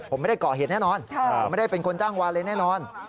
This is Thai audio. ผมไม่ได้ก่อเหตุแน่นอนไม่ได้เป็นคนจ้างวานเลยแน่นอน